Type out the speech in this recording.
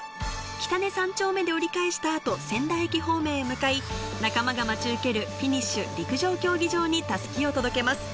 北根３丁目で折り返した後、仙台駅方面へ向かい、仲間が待ち受けるフィニッシュ、陸上競技場に襷を届けます。